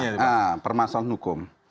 ya permasalahan hukum